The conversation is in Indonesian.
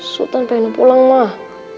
sultan pengen pulang mah